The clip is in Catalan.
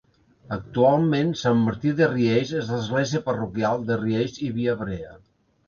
Actualment Sant Martí de Riells és l’església parroquial de Riells i Viabrea.